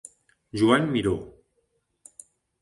Joan Miró.